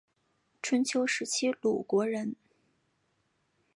春秋时期鲁国人。